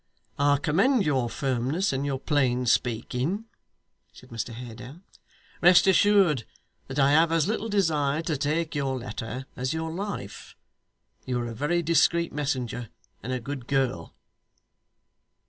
'I commend your firmness and your plain speaking,' said Mr Haredale. 'Rest assured that I have as little desire to take your letter as your life. You are a very discreet messenger and a good girl.